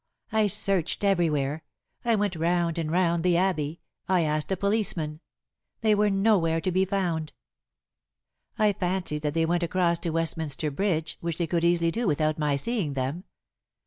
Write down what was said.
I searched everywhere. I went round and round the Abbey. I asked a policeman. They were nowhere to be found. I fancied that they went across to Westminster Bridge, which they could easily do without my seeing them.